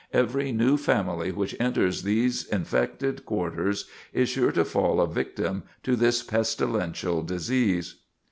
Every new family which enters these infected quarters is sure to fall a victim to this pestilential disease.